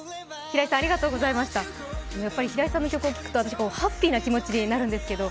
平井さんの曲を聴くとハッピーな気持ちになるんですけど